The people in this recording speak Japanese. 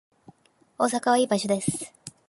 大阪はいい場所です